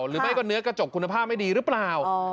หรือไม่ก็เนื้อกระจกคุณภาพไม่ดีหรือเปล่า